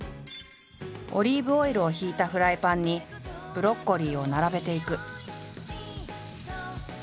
オリーブオイルを引いたフライパンにブロッコリーを並べていく。